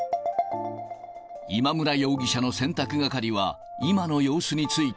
今村容疑者の洗濯係は、今の様子について。